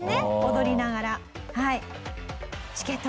踊りながら？